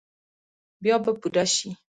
بیا به پوره شي ؟